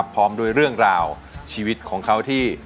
พร้อมด้วยเรื่องราวชีวิตของเขาที่